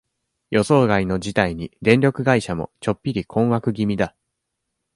予想外の事態に、電力会社も、ちょっぴり困惑気味だ。